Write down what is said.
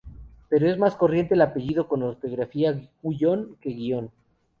Pero es más corriente el apellido con ortografía Guyon que Guion.